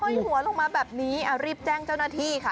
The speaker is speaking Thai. ยหัวลงมาแบบนี้รีบแจ้งเจ้าหน้าที่ค่ะ